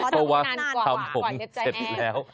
เพราะว่าทำผมเสร็จแล้ว